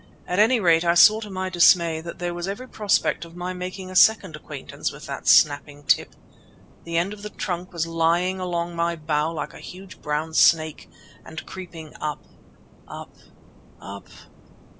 At any rate I saw to my dismay that there was every prospect of my making a second acquaintance with that snapping tip. The end of the trunk was lying along my bough like a huge brown snake and creeping up, up, up.